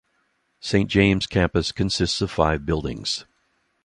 Saint James campus consists of five buildings.